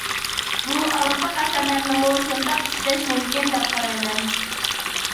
بۇ ئاۋازلىق ئەسەرلەرنىمۇ شۇنداق ئىشلەش مۇمكىن دەپ قارايمەن.